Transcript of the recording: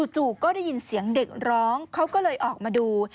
จู่ก็ได้ยินเสียงเด็กร้องเขาก็เลยออกมาดู